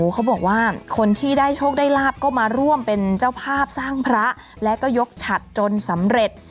เขาบอกว่าคนที่ได้โชคได้ลาบก็มาร่วมเป็นเจ้าภาพสร้างพระและก็ยกฉัดจนสำเร็จ